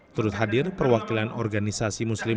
turut hadir perwakilan organisasi muslim